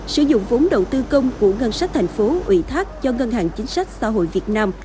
sử dụng vốn đầu tư công của ngân sách thành phố ủy thác cho ngân hàng chính sách xã hội việt nam